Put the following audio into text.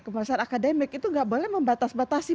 kebebasan akademik itu gak boleh membatas batasi